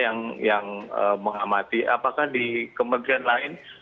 yang mengamati apakah di kementerian lain